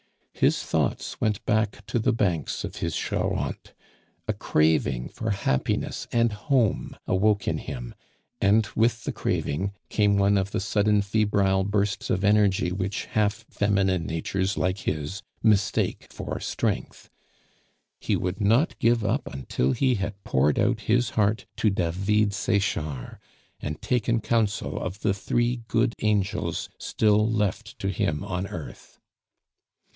His thoughts went back to the banks of his Charente; a craving for happiness and home awoke in him; and with the craving, came one of the sudden febrile bursts of energy which half feminine natures like his mistake for strength. He would not give up until he had poured out his heart to David Sechard, and taken counsel of the three good angels still left to him on earth.